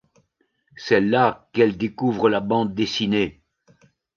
C'est là qu'elle découvre la bande dessinée.